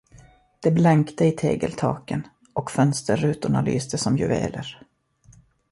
Det blänkte i tegeltaken, och fönsterrutorna lyste som juveler.